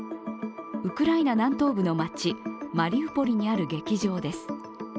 ウクライナ南東部の町マリウポリにある劇場です。